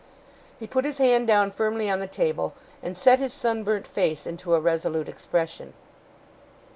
He put his hand down firmly on the table, and set his sunburnt face into a resolute expression.